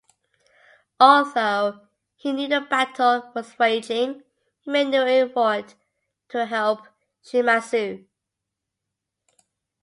Although he knew the battle was raging, he made no effort to help Shimazu.